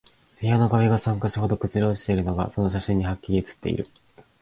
部屋の壁が三箇所ほど崩れ落ちているのが、その写真にハッキリ写っている